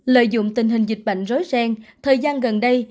lợi dụng tình hình dịch bệnh rối sen thời gian gần đây